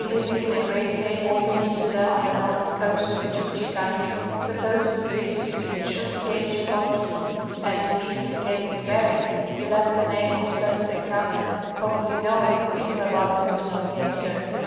181 believing in a great cape or peninsula on the northern coast of the Chukchi country supposed this to be the true Cape Chukotski, and to the eastern Cape of Bering he left the name of Serdze Kamen, prob ably knowing little about the original Cape Serdze.